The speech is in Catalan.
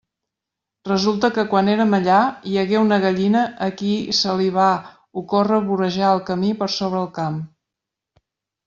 Resulta que, quan érem allà, hi hagué una gallina a qui se li va ocórrer vorejar el camí per sobre el camp.